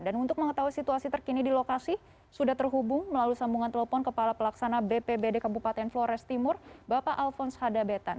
dan untuk mengetahui situasi terkini di lokasi sudah terhubung melalui sambungan telepon kepala pelaksana bpbd kabupaten flores timur bapak alphonse hadabetan